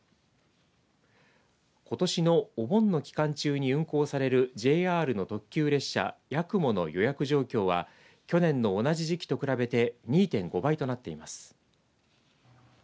ことしのお盆の期間中に運行されるＪＲの特急列車やくもの予約状況は去年の同じ時期と比べて２．５倍となっています。